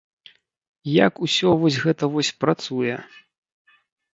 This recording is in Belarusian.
Як усё вось гэта вось працуе?